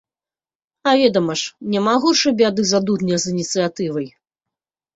А ведама ж, няма горшай бяды за дурня з ініцыятывай.